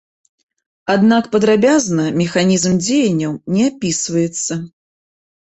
Аднак падрабязна механізм дзеянняў не апісваецца.